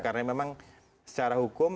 karena memang secara hukum